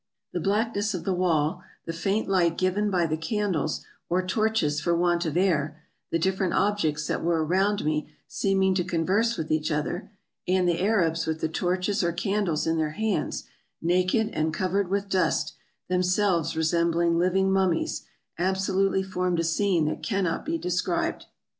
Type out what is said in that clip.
The blackness of the wall; the faint light given by the candles or torches for want of air ; the different objects that were around me seeming to converse with each other; and the Arabs with the torches or candles in their hands, naked and covered with dust, themselves resembling living mum mies, absolutely formed a scene that cannot be described.